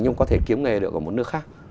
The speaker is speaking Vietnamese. nhưng có thể kiếm nghề được ở một nước khác